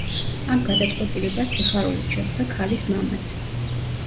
ამ გადაწყვეტილებას სიხარულით შეხვდა ქალის მამაც.